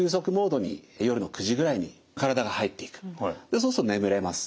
そうすると眠れます。